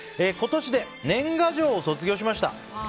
今年で年賀状を卒業しました。